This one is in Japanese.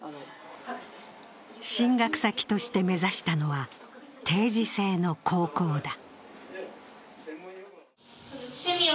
進学先として目指したのは定時制の高校だ。